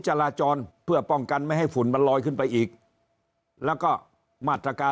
จราจรเพื่อป้องกันไม่ให้ฝุ่นมันลอยขึ้นไปอีกแล้วก็มาตรการ